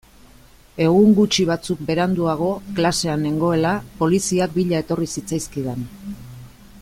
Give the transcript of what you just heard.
Egun gutxi batzuk beranduago, klasean nengoela, poliziak bila etorri zitzaizkidan.